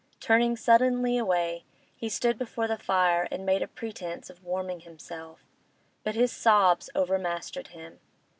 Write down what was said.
Turning suddenly away, he stood before the fire and made a pretence of warming himself; but his sobs overmastered him.